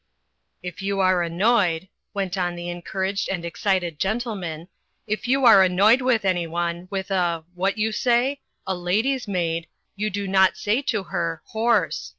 "If you are annoyed," went on the encouraged and excited gentleman, "if you are annoyed with anyone, with a — ^what you say? — b, lady's maid, you do not say to her 'Horse.'